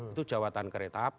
itu jawatan kereta apa